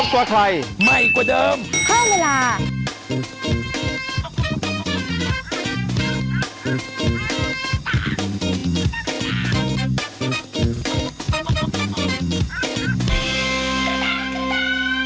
โปรดติดตามตอนต่อไป